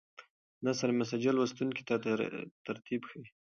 نثر مسجع لوستونکي ته ترتیب ښیي.